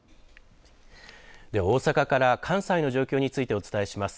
では大阪から関西の状況についてお伝えします。